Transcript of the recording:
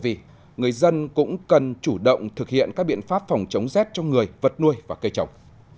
vì người dân cũng cần chủ động thực hiện các biện pháp phòng chống rét cho người vật nuôi và cây trồng